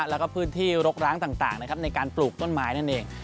แล้วก็พื้นที่รกร้างต่างนะครับในการปลูกต้นไม้นั่นเอง